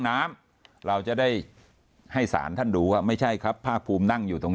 น้ำเราจะได้ให้สารท่านดูว่าไม่ใช่ครับภาคภูมินั่งอยู่ตรง